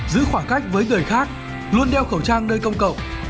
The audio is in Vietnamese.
giữ khoảng cách với người khác luôn đeo khẩu trang nơi công cộng